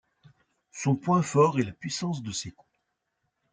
Son point fort est la puissance de ces coups.